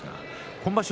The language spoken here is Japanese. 今場所